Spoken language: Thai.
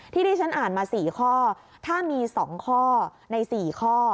ที่ที่ฉันอ่านมา๔ข้อถ้ามี๒ข้อใน๔ข้อ